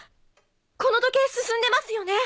この時計進んでますよね？